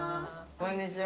こんにちは。